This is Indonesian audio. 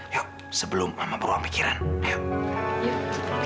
yuk sebelum mama bawa pikiran yuk